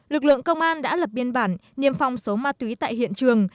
lực lượng công an đã lập biên bản niêm phong số ma túy tại hiện trường